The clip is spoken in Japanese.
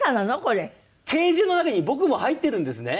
ケージの中に僕も入ってるんですね。